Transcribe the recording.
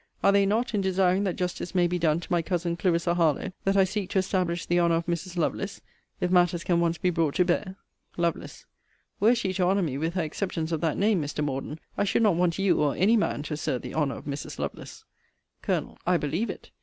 Are they not, in desiring that justice may be done to my Cousin Clarissa Harlowe, that I seek to establish the honour of Mrs. Lovelace, if matters can once be brought to bear? Lovel. Were she to honour me with her acceptance of that name, Mr. Morden, I should not want you or any man to assert the honour of Mrs. Lovelace. Col. I believe it.